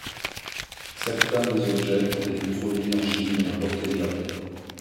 Certains des objets ont été produits en Chine et importés au Japon.